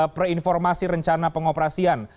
preinformasi rencana pengoperasian